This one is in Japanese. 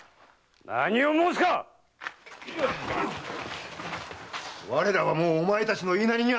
何を申すか⁉我らはもうお前たちの言いなりにはならん！